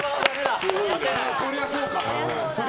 そりゃそうか。